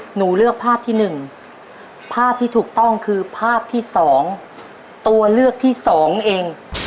หนูเลือกภาพที่หนึ่งภาพที่ถูกต้องคือภาพที่สองตัวเลือกที่สองเอง